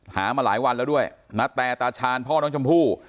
หามาหลายวันแล้วด้วยณแต่ตาชาญพ่อน้องชมพู่